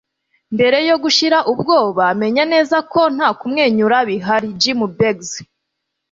mbere yo gushira ubwoba, menya neza ko nta kumwenyura bihari. - jim beggs